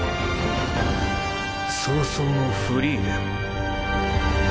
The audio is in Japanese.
葬送のフリーレン。